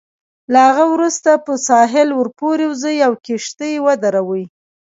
له هغه وروسته پر ساحل ورپورې وزئ او کښتۍ ودروئ.